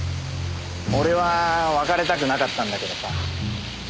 俺は別れたくなかったんだけどさ。